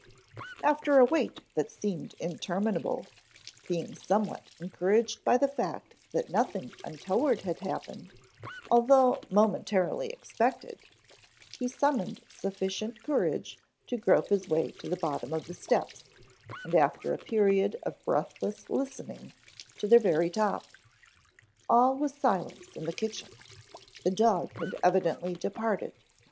After a wait that seemed interminable, being somewhat encouraged by the fact that nothing untoward had happened, although momentarily expected, he summoned sufficient courage to grope his way to the bottom of the steps, and after a period of breathless listening, to their very top. All was silence in the kitchen. The dog had evidently departed.